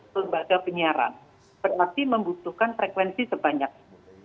lembaga penyiaran berarti membutuhkan frekuensi sebanyak itu